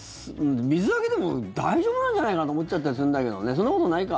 水だけでも大丈夫なんじゃないかって思っちゃったりするんだけどそんなことないか。